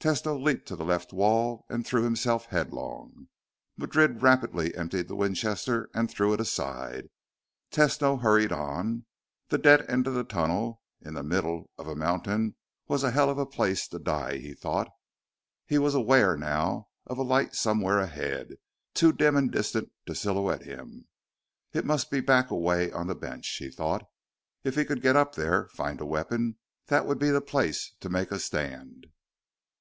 Tesno leaped to the left wall and threw himself headlong. Madrid rapidly emptied the Winchester and threw it aside. Tesno hurried on. The dead end of the tunnel in the middle of a mountain was a hell of a place to die, he thought. He was aware now of a light somewhere ahead, too dim and distant to silhouette him. It must be back a way on the bench, he thought. If he could get up there, find a weapon, that would be the place to make a stand.